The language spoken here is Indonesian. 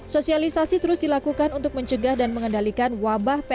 sosialisasi terus dilakukan untuk mencegah dan mengendalikan wabah pmk